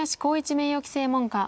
名誉棋聖門下。